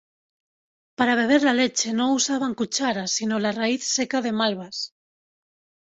Para beber la leche no usaban cucharas sino la raíz seca de malvas.